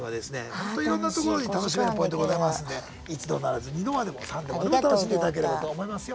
ほんといろんなところに楽しめるポイントございますんで１度ならず２度までも３度までも楽しんでいただければと思いますよ。